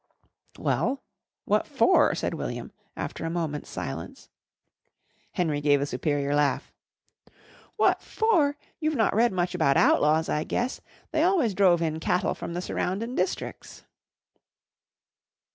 "Well, what for?" said William after a moment's silence. Henry gave a superior laugh. "What for! You've not read much about outlaws, I guess. They always drove in cattle from the surroundin' districks."